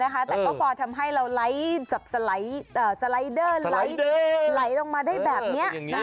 แต่ก็พอทำให้เราจับสไลเดอร์ไหลลงมาได้แบบนี้